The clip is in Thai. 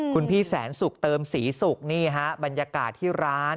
คุณพี่แสนสุขเติมศรีศุกร์นี่ฮะบรรยากาศที่ร้าน